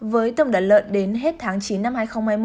với tầm đặt lợn đến hết tháng chín năm hai nghìn hai mươi một